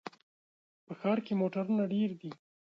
په ښار کې موټرونه ډېر دي.